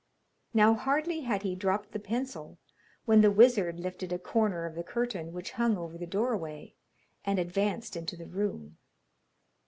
Now hardly had he dropped the pencil when the wizard lifted a corner of the curtain which hung over the doorway, and advanced into the room.